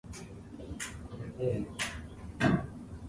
He was then told whether he was correct or wrong.